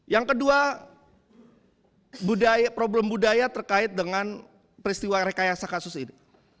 yang kedua problem budaya terkait dengan peristiwa rekayasa kasus ini